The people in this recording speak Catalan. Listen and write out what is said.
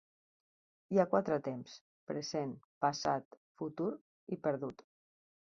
Hi ha quatre temps: present, passat, futur i perdut.